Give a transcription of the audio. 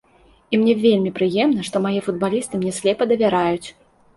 І мне вельмі прыемна, што мае футбалісты мне слепа давяраюць.